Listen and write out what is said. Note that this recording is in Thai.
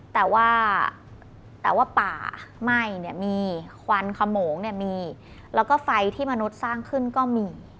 แต่ว่าป่าไหม้มีควันขมงมีแล้วก็ไฟที่มนุษย์สร้างขึ้นก็มี